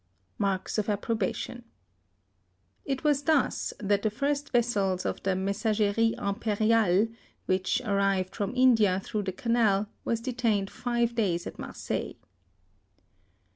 (Marks of approbation.) It was thus that the first vessel of the Mes sageries Imp^riales, which arrived from India through the Canal, was detained five days at Marseilles.